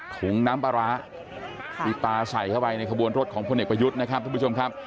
ถุงน้ำปลาร้าที่ปลาใส่เข้าไปในขบวนรถของพลเอกประยุทธ์นะครับทุกผู้ชมครับ